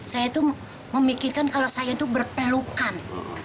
saya tuh memikirkan kalau saya tuh berpelukan